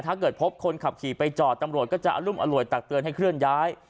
ถ้าเกิดพบคนขับขี่ไปจอดตำรวจก็จะอรุมอร่วยตักเตือนให้เคลื่อนย้าย